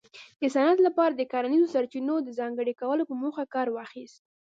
د صنعت لپاره د کرنیزو سرچینو د ځانګړي کولو په موخه کار واخیست